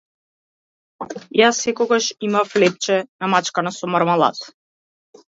Јас секогаш имав лепче намачкано со мармалад.